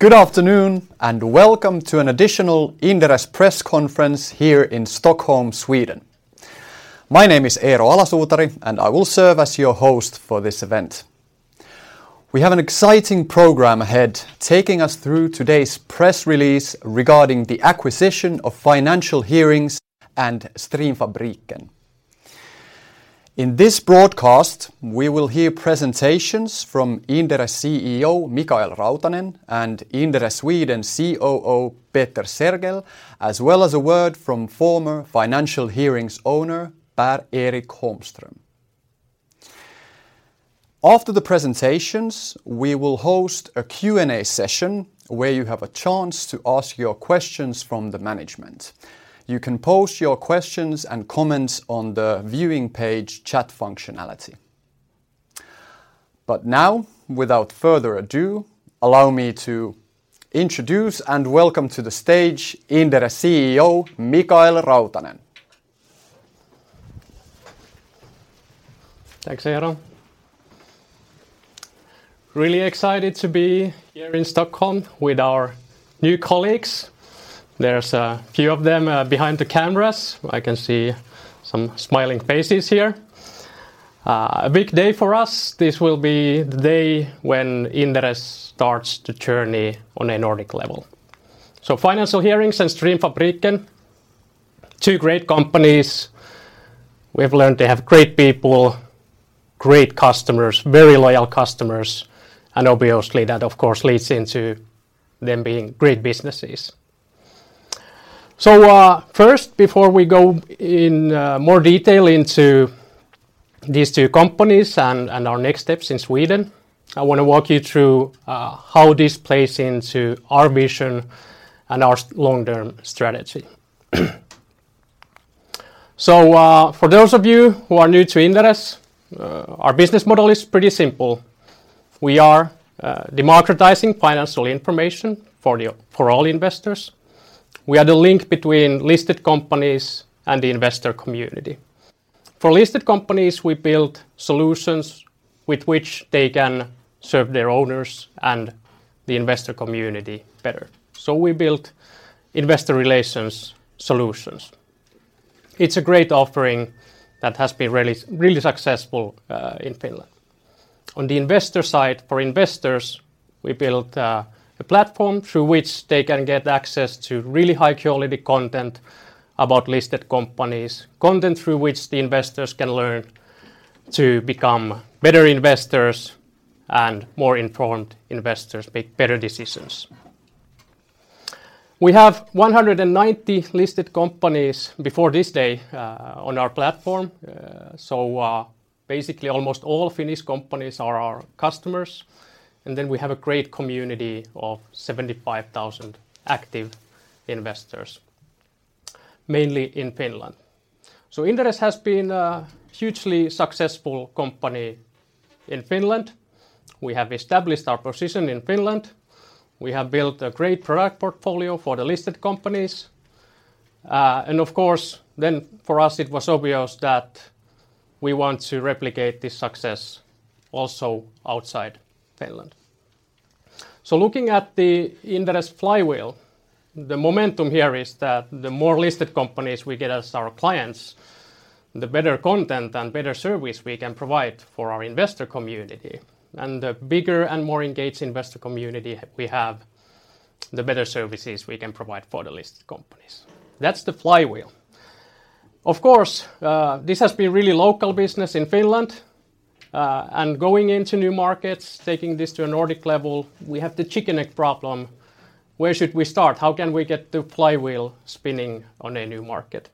Good afternoon, and welcome to an additional Inderes Press Conference here in Stockholm, Sweden. My name is Eero Alasuutari, and I will serve as your host for this event. We have an exciting program ahead, taking us through today's press release regarding the acquisition of Financial Hearings and Streamfabriken. In this broadcast, we will hear presentations from Inderes CEO Mikael Rautanen and Inderes Sweden COO Peter Sergel, as well as a word from former Financial Hearings owner Per-Erik Holmström. After the presentations, we will host a Q&A session where you have a chance to ask your questions from the management. You can post your questions and comments on the viewing page chat functionality. Now, without further ado, allow me to introduce and welcome to the stage Inderes CEO Mikael Rautanen. Thanks, Eero. Really excited to be here in Stockholm with our new colleagues. There's a few of them behind the cameras. I can see some smiling faces here. A big day for us. This will be the day when Inderes starts the journey on a Nordic level. Financial Hearings and Streamfabriken, two great companies. We have learned they have great people, great customers, very loyal customers, and obviously that of course leads into them being great businesses. First, before we go in more detail into these two companies and our next steps in Sweden, I wanna walk you through how this plays into our vision and our long-term strategy. For those of you who are new to Inderes, our business model is pretty simple. We are democratizing financial information for all investors. We are the link between listed companies and the investor community. For listed companies, we build solutions with which they can serve their owners and the investor community better. We build investor relations solutions. It's a great offering that has been really, really successful in Finland. On the investor side, for investors, we built a platform through which they can get access to really high-quality content about listed companies, content through which the investors can learn to become better investors and more informed investors, make better decisions. We have 190 listed companies before this day on our platform, so basically almost all Finnish companies are our customers. We have a great community of 75,000 active investors, mainly in Finland. Inderes has been a hugely successful company in Finland. We have established our position in Finland. We have built a great product portfolio for the listed companies. Of course, then for us it was obvious that we want to replicate this success also outside Finland. Looking at the Inderes flywheel, the momentum here is that the more listed companies we get as our clients, the better content and better service we can provide for our investor community. The bigger and more engaged investor community we have, the better services we can provide for the listed companies. That's the flywheel. Of course, this has been really local business in Finland, and going into new markets, taking this to a Nordic level, we have the chicken egg problem. Where should we start? How can we get the flywheel spinning on a new market?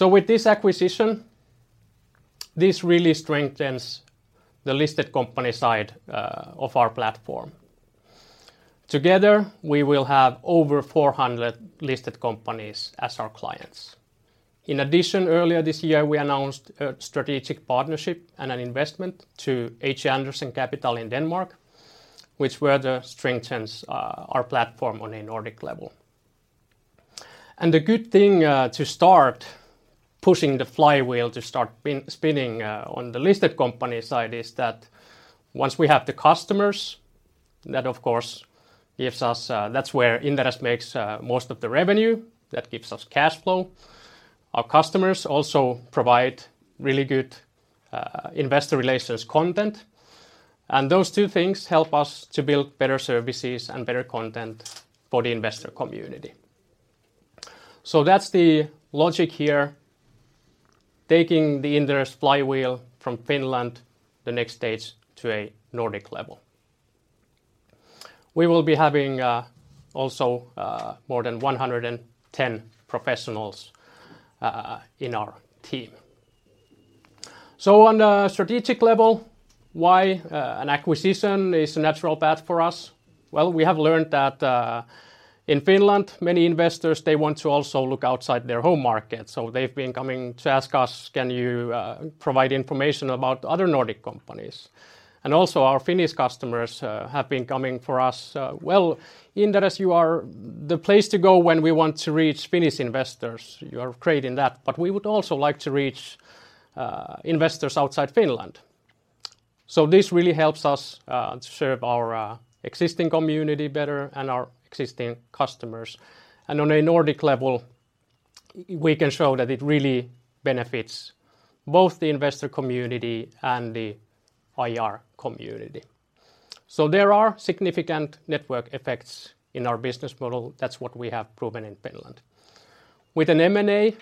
With this acquisition, this really strengthens the listed company side of our platform. Together, we will have over 400 listed companies as our clients. In addition, earlier this year, we announced a strategic partnership and an investment to HC Andersen Capital in Denmark, which further strengthens our platform on a Nordic level. The good thing to start pushing the flywheel to start spinning on the listed company side is that once we have the customers, that of course gives us. That's where Inderes makes most of the revenue. That gives us cash flow. Our customers also provide really good investor relations content, and those two things help us to build better services and better content for the investor community. That's the logic here, taking the Inderes flywheel from Finland, the next stage, to a Nordic level. We will be having also more than 110 professionals in our team. On a strategic level, why an acquisition is a natural path for us? Well, we have learned that in Finland, many investors they want to also look outside their home market. They've been coming to ask us, "Can you provide information about other Nordic companies?" Our Finnish customers have been coming for us. Inderes, you are the place to go when we want to reach Finnish investors. You are great in that. We would also like to reach investors outside Finland. This really helps us to serve our existing community better and our existing customers. On a Nordic level, we can show that it really benefits both the investor community and the IR community. There are significant network effects in our business model. That's what we have proven in Finland. With an M&A,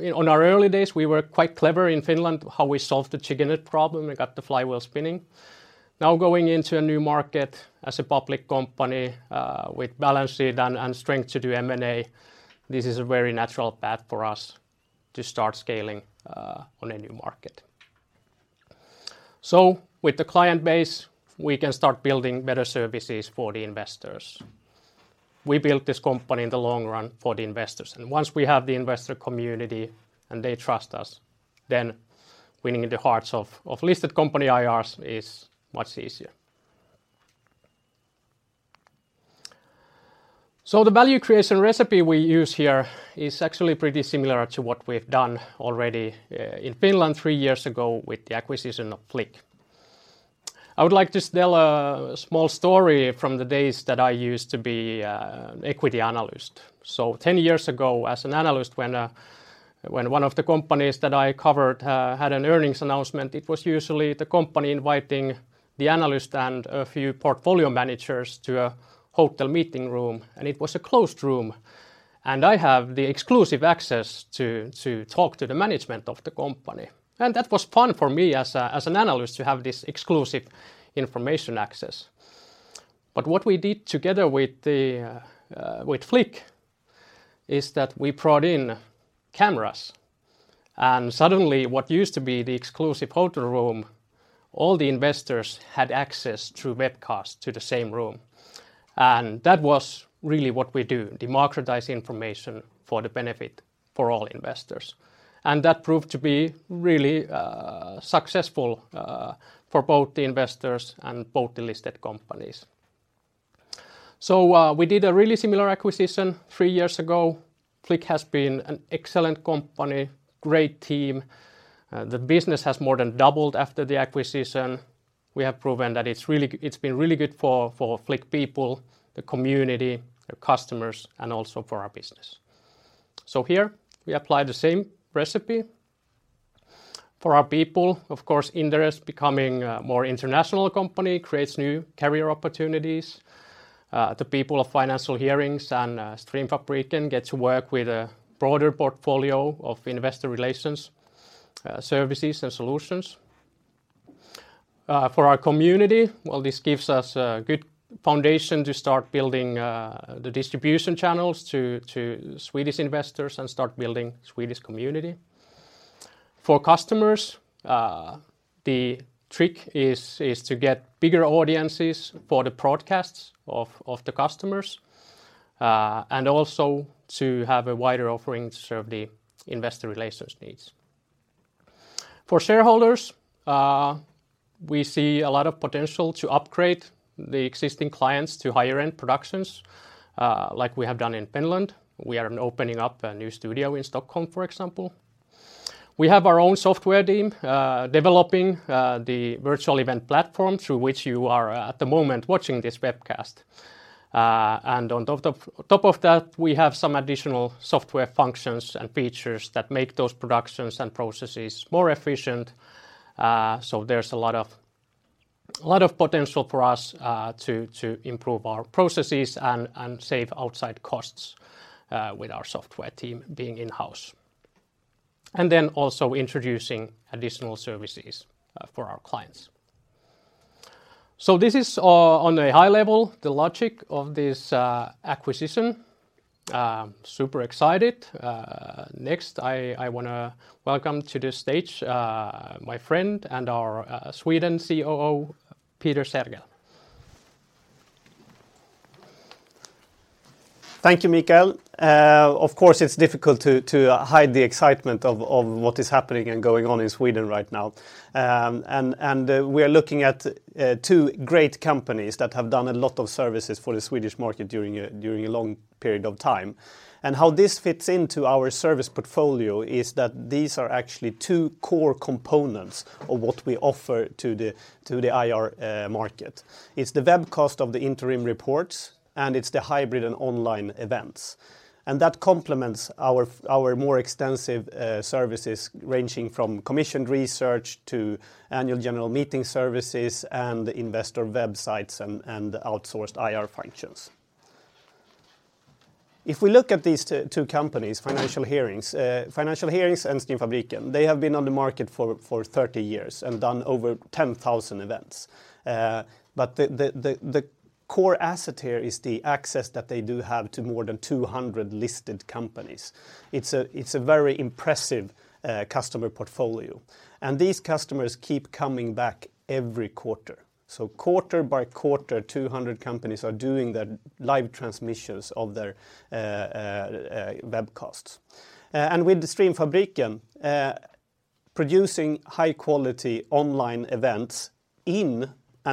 in our early days, we were quite clever in Finland how we solved the chicken and egg problem and got the flywheel spinning. Now going into a new market as a public company, with balance sheet and strength to do M&A, this is a very natural path for us to start scaling, on a new market. With the client base, we can start building better services for the investors. We built this company in the long run for the investors, and once we have the investor community and they trust us, then winning the hearts of listed company IRs is much easier. The value creation recipe we use here is actually pretty similar to what we've done already in Finland three years ago with the acquisition of Flik. I would like to tell a small story from the days that I used to be an equity analyst. Ten years ago, as an analyst, when one of the companies that I covered had an earnings announcement, it was usually the company inviting the analyst and a few portfolio managers to a hotel meeting room, and it was a closed room, and I have the exclusive access to talk to the management of the company. That was fun for me as an analyst to have this exclusive information access. What we did together with Flik is that we brought in cameras, and suddenly what used to be the exclusive hotel room, all the investors had access through webcast to the same room. That was really what we do, democratize information for the benefit for all investors. That proved to be really successful for both the investors and both the listed companies. We did a really similar acquisition three years ago. Flik has been an excellent company, great team. The business has more than doubled after the acquisition. We have proven that it's been really good for Flik people, the community, the customers, and also for our business. Here we apply the same recipe. For our people, of course, Inderes becoming a more international company creates new career opportunities. The people of Financial Hearings and Streamfabriken get to work with a broader portfolio of investor relations services and solutions. For our community, well, this gives us a good foundation to start building the distribution channels to Swedish investors and start building Swedish community. For customers, the trick is to get bigger audiences for the broadcasts of the customers and also to have a wider offering to serve the investor relations needs. For shareholders, we see a lot of potential to upgrade the existing clients to higher-end productions like we have done in Finland. We are opening up a new studio in Stockholm, for example. We have our own software team developing the virtual event platform through which you are at the moment watching this webcast. On top of that, we have some additional software functions and features that make those productions and processes more efficient. There's a lot of potential for us to improve our processes and save outside costs with our software team being in-house. Also introducing additional services for our clients. This is on a high level, the logic of this acquisition. Super excited. Next, I wanna welcome to the stage my friend and our Sweden COO, Peter Sergel. Thank you, Mikael. Of course, it's difficult to hide the excitement of what is happening and going on in Sweden right now. We are looking at two great companies that have done a lot of services for the Swedish market during a long period of time. How this fits into our service portfolio is that these are actually two core components of what we offer to the IR market. It's the webcast of the interim reports, and it's the hybrid and online events. That complements our more extensive services, ranging from commissioned research to annual general meeting services and investor websites and outsourced IR functions. If we look at these two companies, Financial Hearings and Streamfabriken, they have been on the market for 30 years and done over 10,000 events. The core asset here is the access that they do have to more than 200 listed companies. It's a very impressive customer portfolio. These customers keep coming back every quarter. Quarter by quarter, 200 companies are doing the live transmissions of their webcasts. With the Streamfabriken producing high quality online events, and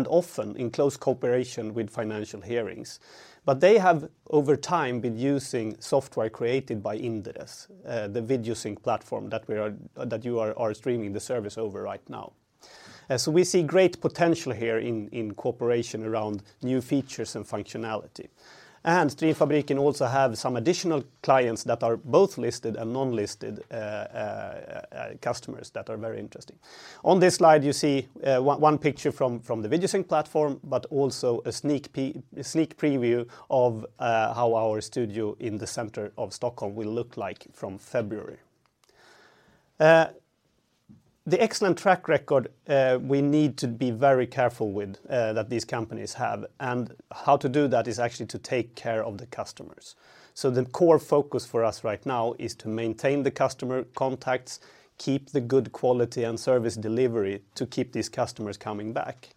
often in close cooperation with Financial Hearings. They have over time been using software created by Inderes, the Videosync platform that you are streaming the service over right now. We see great potential here in cooperation around new features and functionality. Streamfabriken also have some additional clients that are both listed and non-listed, customers that are very interesting. On this slide, you see one picture from the Videosync platform, but also a sneak preview of how our studio in the center of Stockholm will look like from February. The excellent track record we need to be very careful with that these companies have, and how to do that is actually to take care of the customers. The core focus for us right now is to maintain the customer contacts, keep the good quality and service delivery to keep these customers coming back.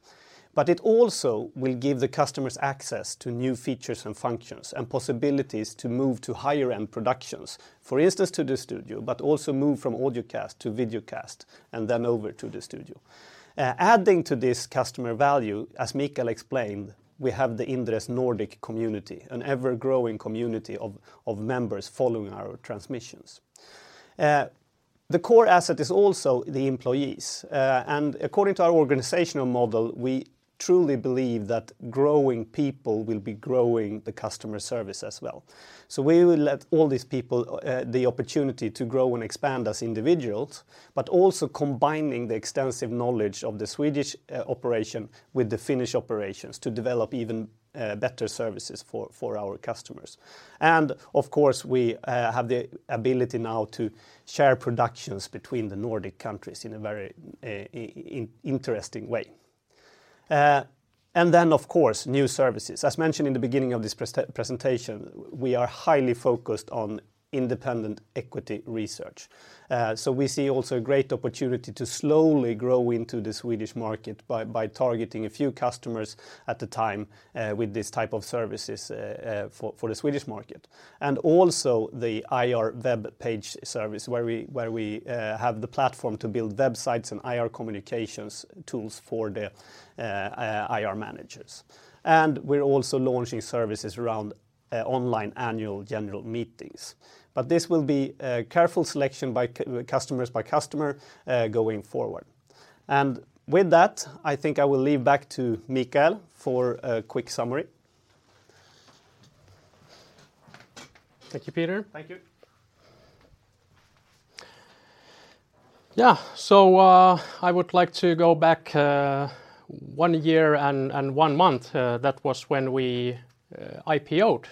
It also will give the customers access to new features and functions, and possibilities to move to higher end productions, for instance to the studio, but also move from audio cast to video cast, and then over to the studio. Adding to this customer value, as Mikael explained, we have the Inderes Nordic community, an ever-growing community of members following our transmissions. The core asset is also the employees. And according to our organizational model, we truly believe that growing people will be growing the customer service as well. We will let all these people the opportunity to grow and expand as individuals, but also combining the extensive knowledge of the Swedish operation with the Finnish operations to develop even better services for our customers. Of course, we have the ability now to share productions between the Nordic countries in a very interesting way. New services. As mentioned in the beginning of this presentation, we are highly focused on independent equity research. We see also a great opportunity to slowly grow into the Swedish market by targeting a few customers at a time with this type of services for the Swedish market. Also the IR web page service where we have the platform to build websites and IR communications tools for the IR managers. We're also launching services around online annual general meetings. This will be a careful selection by customer going forward. With that, I think I will leave back to Mikael for a quick summary. Thank you, Peter. Thank you. Yeah. I would like to go back one year and one month. That was when we IPO'd.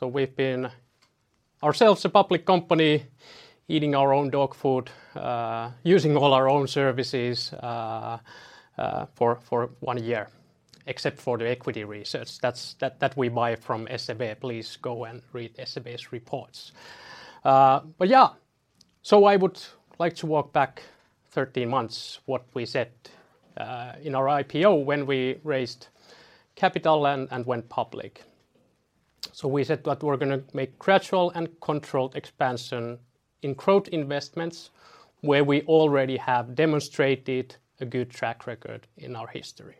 We've been ourselves a public company, eating our own dog food, using all our own services for one year, except for the equity research. That's that we buy from SEB. Please go and read SEB's reports. Yeah. I would like to walk back 13 months what we said in our IPO when we raised capital and went public. We said that we're gonna make gradual and controlled expansion in growth investments where we already have demonstrated a good track record in our history.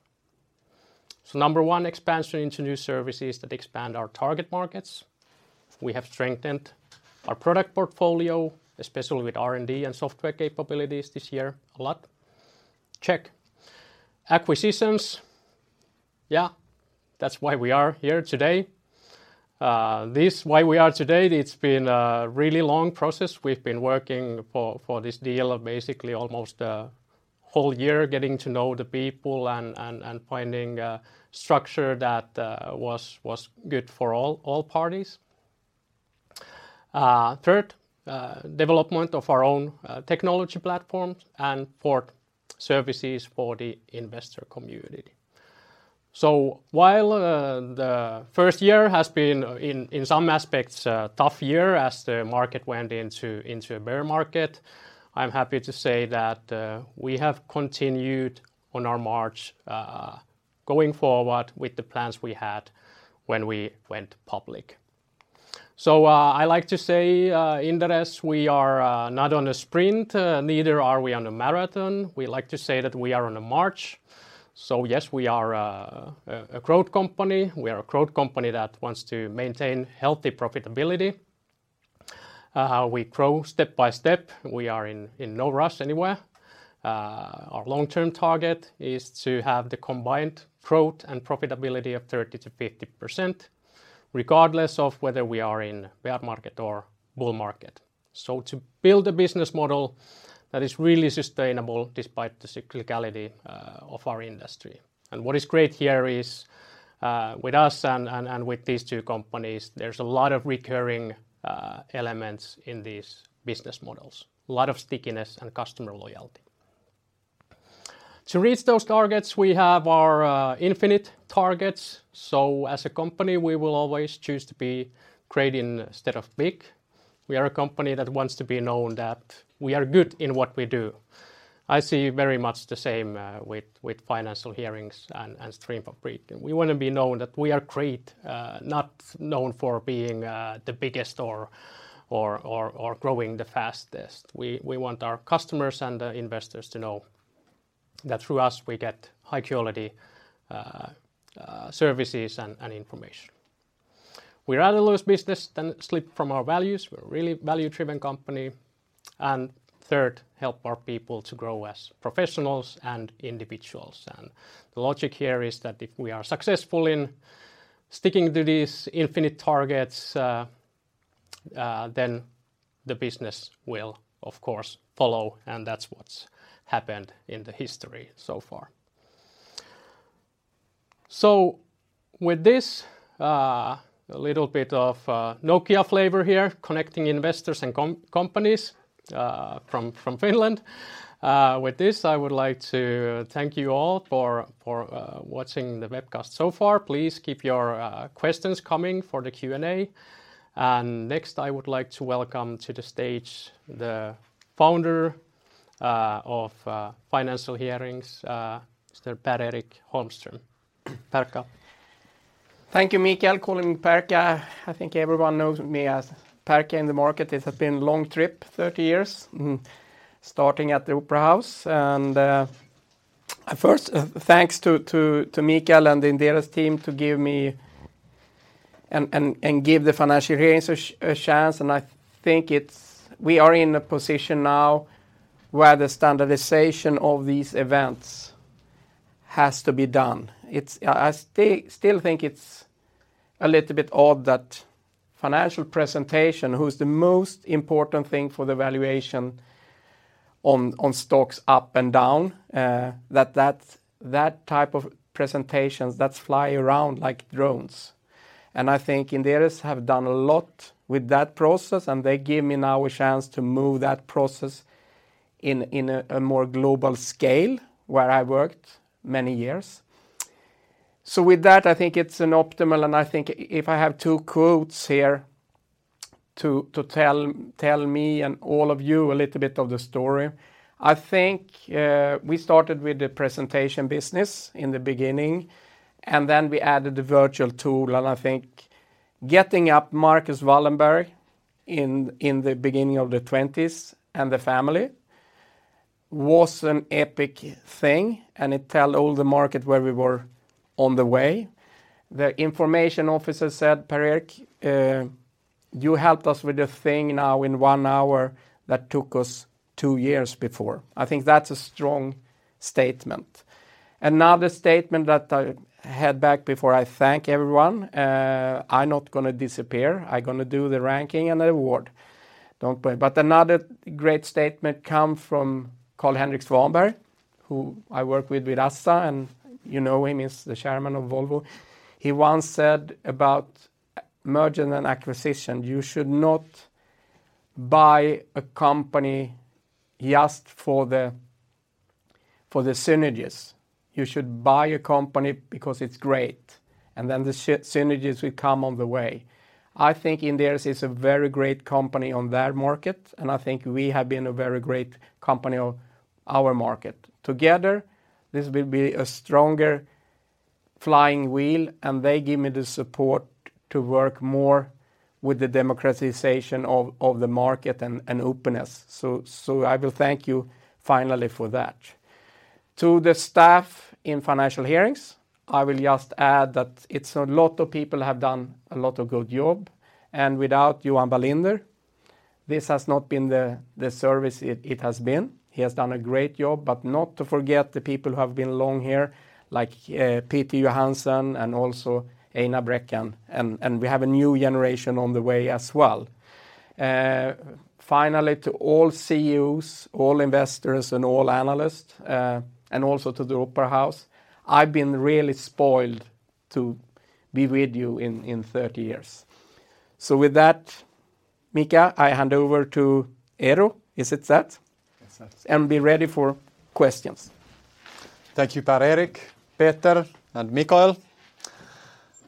Number one, expansion into new services that expand our target markets. We have strengthened our product portfolio, especially with R&D and software capabilities this year a lot. Check. Acquisitions, that's why we are here today. This is why we are here today, it's been a really long process. We've been working for this deal of basically almost a whole year, getting to know the people and finding a structure that was good for all parties. Third, development of our own technology platforms. Fourth, services for the investor community. While the first year has been in some aspects a tough year as the market went into a bear market, I'm happy to say that we have continued on our march going forward with the plans we had when we went public. I like to say, Inderes, we are not on a sprint, neither are we on a marathon. We like to say that we are on a march. Yes, we are a growth company. We are a growth company that wants to maintain healthy profitability. How we grow step by step, we are in no rush anywhere. Our long-term target is to have the combined growth and profitability of 30%-50%, regardless of whether we are in bear market or bull market. To build a business model that is really sustainable despite the cyclicality of our industry. What is great here is with us and with these two companies, there's a lot of recurring elements in these business models, a lot of stickiness and customer loyalty. To reach those targets, we have our infinite targets. As a company, we will always choose to be great instead of big. We are a company that wants to be known that we are good in what we do. I see very much the same with Financial Hearings and Streamfabriken. We wanna be known that we are great, not known for being the biggest or growing the fastest. We want our customers and the investors to know that through us we get high quality services and information. We'd rather lose business than slip from our values. We're a really value-driven company and third, help our people to grow as professionals and individuals. The logic here is that if we are successful in sticking to these infinite targets, then the business will of course follow, and that's what's happened in the history so far. With this, a little bit of Nokia flavor here, connecting investors and companies from Finland. With this, I would like to thank you all for watching the webcast so far. Please keep your questions coming for the Q&A, and next I would like to welcome to the stage the founder of Financial Hearings, Mr. Per-Erik Holmström. Perka. Thank you, Mikael. Calling Perka. I think everyone knows me as Perka in the market. It has been long trip, 30 years, starting at the Opera House. First, thanks to Mikael and Inderes team to give me and give the Financial Hearings a chance, and I think it's, we are in a position now where the standardization of these events has to be done. It's. I still think it's a little bit odd that financial presentation, which is the most important thing for the valuation on stocks up and down, that type of presentations, that fly around like drones. I think Inderes have done a lot with that process, and they give me now a chance to move that process in a more global scale where I worked many years. With that, I think it's an optimal, and I think if I have two quotes here to tell me and all of you a little bit of the story, I think we started with the presentation business in the beginning, and then we added the virtual tool. I think getting up Marcus Wallenberg in the beginning of the 2020s and the family was an epic thing, and it told all the market where we were on the way. The information officer said, "Per-Erik, you helped us with the thing now in one hour that took us two years before." I think that's a strong statement. Another statement that I had back before I thank everyone, I'm not gonna disappear. I'm gonna do the ranking and the award. Don't worry. Another great statement come from Carl-Henric Svanberg, who I work with Assa Abloy, and you know him as the chairman of Volvo. He once said about merger and acquisition, "You should not buy a company just for the synergies. You should buy a company because it's great, and then the synergies will come on the way." I think Inderes is a very great company on their market, and I think we have been a very great company on our market. Together, this will be a stronger flywheel, and they give me the support to work more with the democratization of the market and openness. So I will thank you finally for that. To the staff in Financial Hearings, I will just add that it's a lot of people have done a lot of good job, and without Johan Wallinder, this has not been the service it has been. He has done a great job. Not to forget the people who have been long here like Peter Johansson and also Einar Brekkan, and we have a new generation on the way as well. Finally, to all CEOs, all investors, and all analysts, and also to the Opera House, I've been really spoiled to be with you in 30 years. With that, Mikael, I hand over to Eero. Is it set? It's set. Be ready for questions. Thank you, Per-Erik, Peter, and Mikael.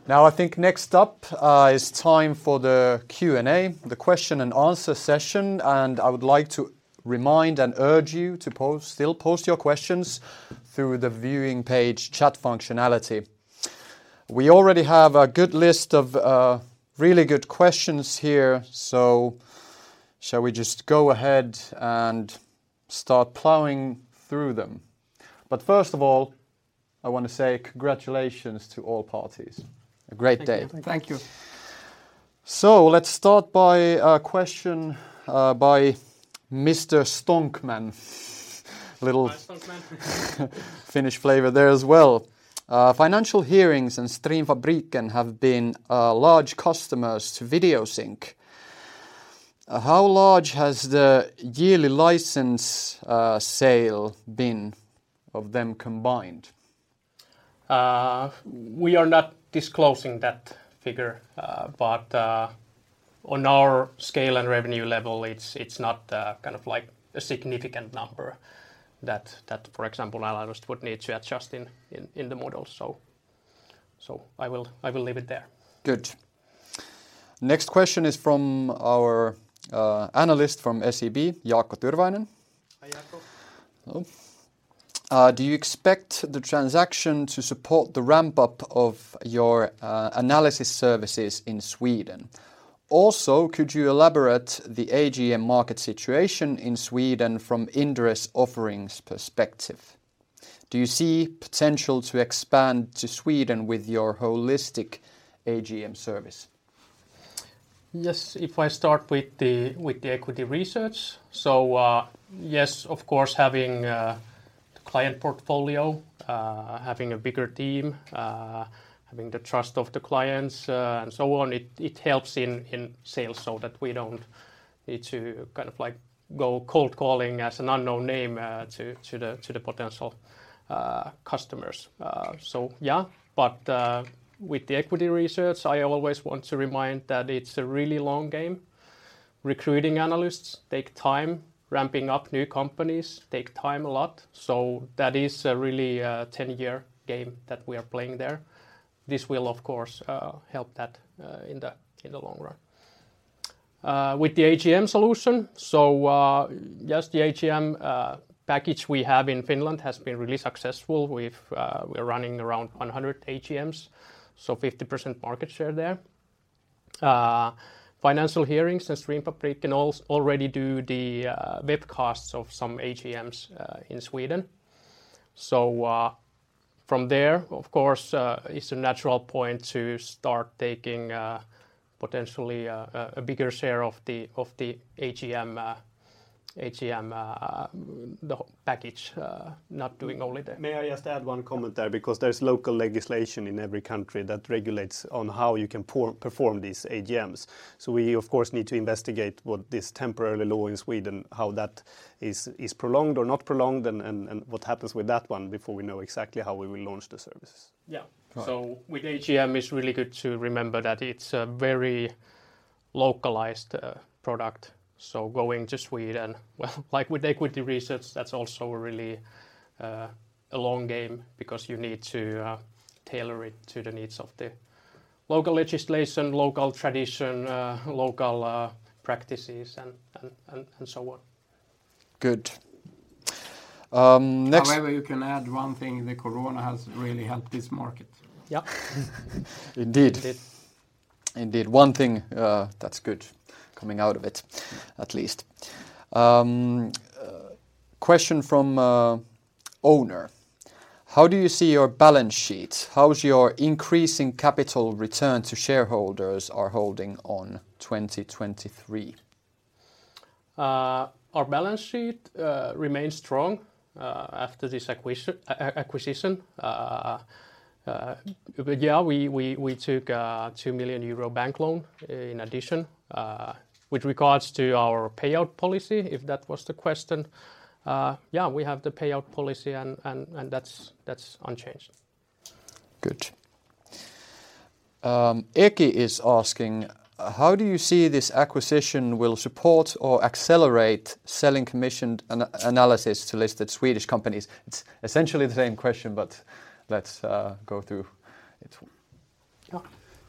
Now, I think next up is time for the Q&A, the question and answer session, and I would like to remind and urge you to post your questions through the viewing page chat functionality. We already have a good list of really good questions here, so shall we just go ahead and start plowing through them? First of all, I wanna say congratulations to all parties. A great day. Thank you. Thank you. Let's start with a question by Mr. Stonkman. Hi, Stonkman. Finnish flavor there as well. Financial Hearings and Streamfabriken have been large customers to Videosync. How large has the yearly license sale been of them combined? We are not disclosing that figure, but on our scale and revenue level, it's not kind of like a significant number that, for example, analysts would need to adjust in the model. I will leave it there. Good. Next question is from our analyst from SEB, Jaakko Tyrväinen. Hi, Jaakko. Hello. Do you expect the transaction to support the ramp up of your analysis services in Sweden? Also, could you elaborate on the AGM market situation in Sweden from Inderes' offerings perspective? Do you see potential to expand to Sweden with your holistic AGM service? Yes, if I start with the equity research. Yes, of course, having the client portfolio, having a bigger team, having the trust of the clients, and so on, it helps in sales so that we don't need to kind of like go cold calling as an unknown name to the potential customers. With the equity research, I always want to remind that it's a really long game. Recruiting analysts take time. Ramping up new companies take time a lot, that is a really 10-year game that we are playing there. This will of course help that in the long run. With the AGM solution, the AGM package we have in Finland has been really successful. We've We're running around 100 AGMs, so 50% market share there. Financial Hearings and Streamfabriken can already do the webcasts of some AGMs in Sweden. From there, of course, it's a natural point to start taking potentially a bigger share of the AGM package, not doing only the May I just add one comment there? Because there's local legislation in every country that regulates on how you can perform these AGMs, so we of course need to investigate what this temporary law in Sweden, how that is prolonged or not prolonged and what happens with that one before we know exactly how we will launch the services. Yeah. Right. With AGM, it's really good to remember that it's a very localized product, so going to Sweden, well, like with equity research, that's also a really a long game because you need to tailor it to the needs of the local legislation, local tradition, local practices and so on. Good. However, you can add one thing, the corona has really helped this market. Yeah. Indeed. Indeed. Indeed. One thing that's good coming out of it, at least. Question from Owner: How do you see your balance sheet? How's your increasing capital return to shareholders? Are holding on 2023? Our balance sheet remains strong after this acquisition. Yeah, we took a 2 million euro bank loan in addition. With regards to our payout policy, if that was the question, yeah, we have the payout policy and that's unchanged. Good. Eki is asking, how do you see this acquisition will support or accelerate selling commissioned analysis to listed Swedish companies? It's essentially the same question, but let's go through it. Yeah.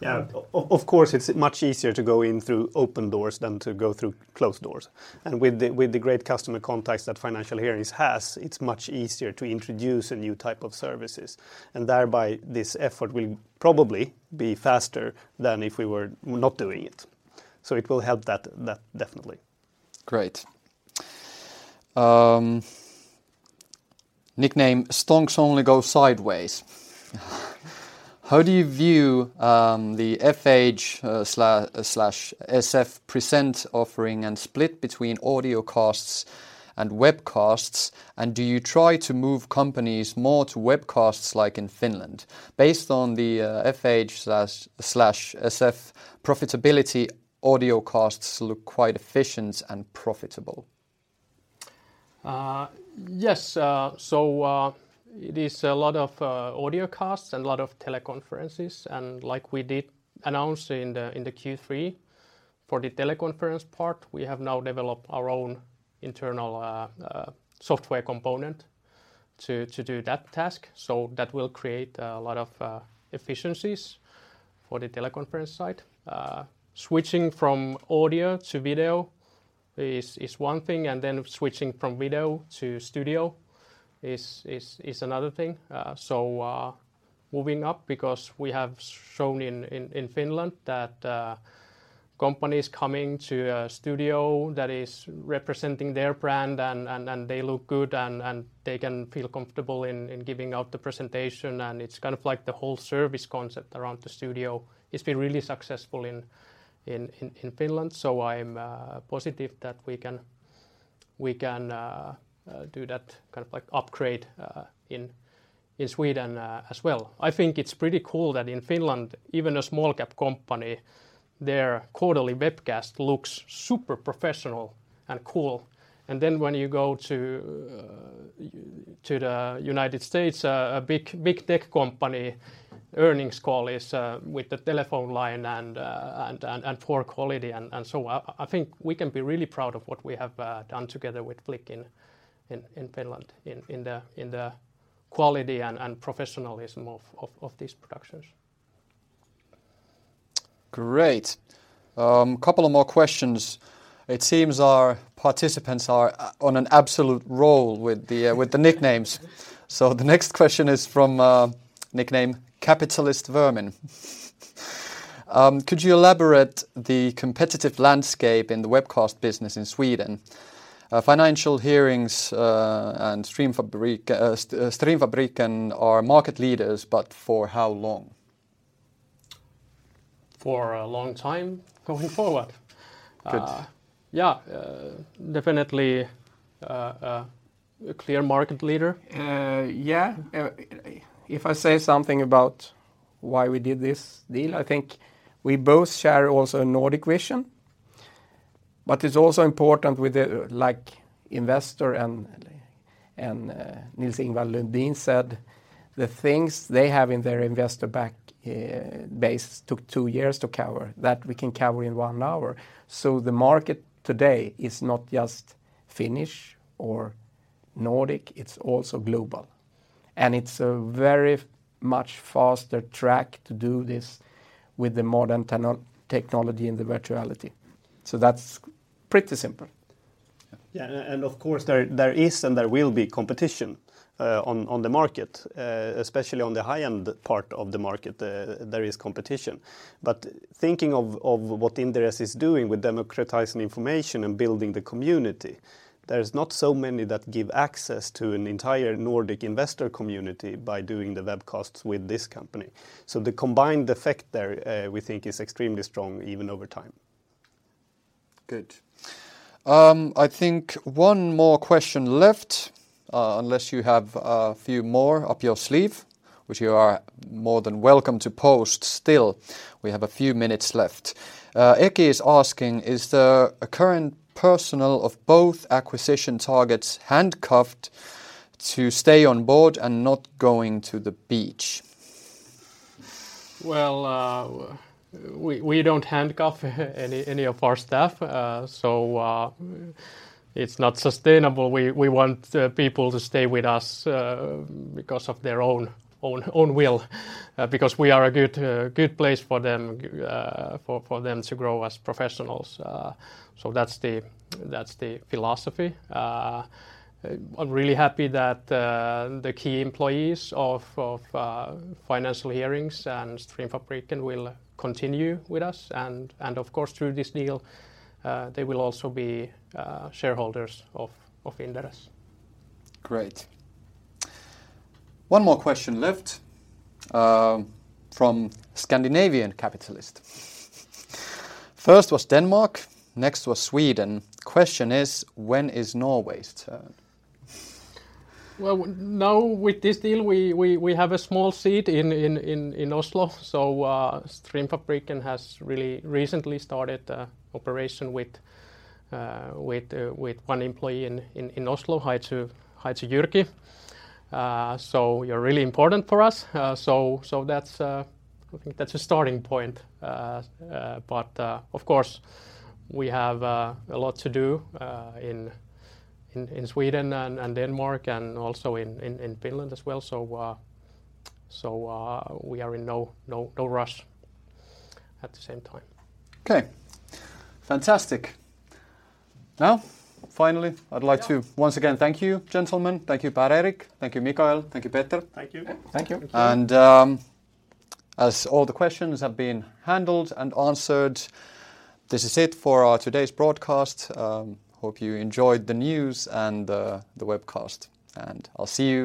Of course, it's much easier to go in through open doors than to go through closed doors. With the great customer contacts that Financial Hearings has, it's much easier to introduce a new type of services, and thereby, this effort will probably be faster than if we were not doing it. It will help that definitely. Great. Nickname Stonks Only Go Sideways. How do you view the FH slash SF present offering and split between audiocasts and webcasts, and do you try to move companies more to webcasts like in Finland? Based on the FH slash SF profitability, audiocasts look quite efficient and profitable. It is a lot of audiocasts and a lot of teleconferences, and like we did announce in the Q3, for the teleconference part, we have now developed our own internal software component to do that task, so that will create a lot of efficiencies for the teleconference side. Switching from audio to video is one thing, and then switching from video to studio is another thing. Moving up because we have shown in Finland that companies coming to a studio that is representing their brand and they look good and they can feel comfortable in giving out the presentation, and it's kind of like the whole service concept around the studio. It's been really successful in Finland, so I'm positive that we can do that kind of like upgrade in Sweden as well. I think it's pretty cool that in Finland, even a small-cap company, their quarterly webcast looks super professional and cool. Then when you go to the United States, a big tech company earnings call is with the telephone line and poor quality and so I think we can be really proud of what we have done together with Flik in Finland in the quality and professionalism of these productions. Great. A couple of more questions. It seems our participants are on an absolute roll with the nicknames. The next question is from nickname Capitalist Vermin. Could you elaborate on the competitive landscape in the webcast business in Sweden? Financial Hearings and Streamfabriken are market leaders, but for how long? For a long time going forward. Good. Yeah, definitely, a clear market leader. If I say something about why we did this deal, I think we both share also a Nordic vision, but it's also important with the, like, investor and Nils-Ingvar Lundin said, the things they have in their investor base took two years to cover, that we can cover in one hour. The market today is not just Finnish or Nordic, it's also global, and it's a very much faster track to do this with the modern technology and the virtuality. That's pretty simple. Yeah. Of course, there is and there will be competition on the market. Especially on the high-end part of the market, there is competition. Thinking of what Inderes is doing with democratizing information and building the community, there's not so many that give access to an entire Nordic investor community by doing the webcasts with this company. The combined effect there, we think is extremely strong even over time. Good. I think one more question left, unless you have a few more up your sleeve, which you are more than welcome to post still. We have a few minutes left. Eki is asking, "Is the current personnel of both acquisition targets handcuffed to stay on board and not going to the beach? We don't handcuff any of our staff, so it's not sustainable. We want people to stay with us because of their own will because we are a good place for them to grow as professionals. That's the philosophy. I'm really happy that the key employees of Financial Hearings and Streamfabriken will continue with us and of course, through this deal, they will also be shareholders of Inderes. Great. One more question left, from Scandinavian Capitalist. First was Denmark, next was Sweden. Question is, "When is Norway's turn? Well, now with this deal, we have a small seat in Oslo, so Streamfabriken has really recently started an operation with one employee in Oslo, Heidi Jyrki. You're really important for us, so that's, I think, a starting point. Of course, we have a lot to do in Sweden and Denmark, and also in Finland as well, so we are in no rush at the same time. Okay. Fantastic. Now, finally, I'd like to once again thank you, gentlemen. Thank you, Per-Erik. Thank you, Mikael. Thank you, Peter. Thank you. Thank you. Thank you. As all the questions have been handled and answered, this is it for our today's broadcast. Hope you enjoyed the news and the webcast, and I'll see you-